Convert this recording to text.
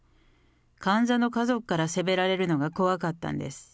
患者の家族から責められるのが怖かったんです。